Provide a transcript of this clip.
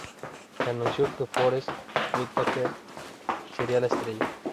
Se anunció que Forest Whitaker sería la estrella.